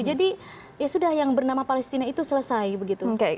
jadi ya sudah yang bernama palestina itu selesai begitu